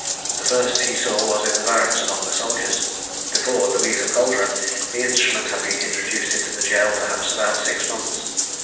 The first he saw was in the barracks among the soldiers. Before Louisa Calderon, the instrument had been introduced into the gaol perhaps about six months.